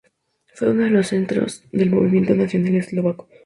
Fue uno de los centros del Movimiento Nacional Eslovaco.